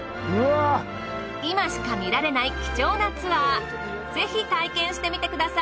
今しか見られない貴重なツアーぜひ体験してみてください。